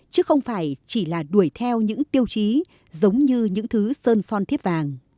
chứ không phải chỉ là đuổi theo những tiêu chí giống như những thứ sơn son thiết vàng